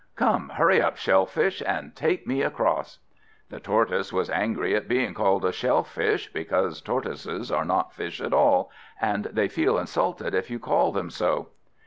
Come, hurry up, Shell fish, and take me across." The Tortoise was angry at being called a shell fish, because tortoises are not fish at all, and they feel insulted if you call them so.